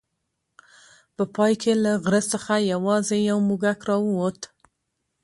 په پای کې له غره څخه یوازې یو موږک راووت.